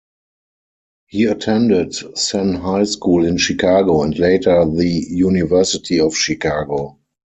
He attended Senn High School in Chicago and later the University of Chicago.